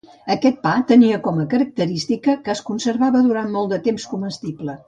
Aquest pa tenia com a característica que es conservava durant molt de temps comestible.